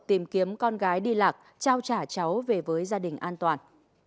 tìm kiếm con gái đi lạc trao trả cháu về với gia đình an toàn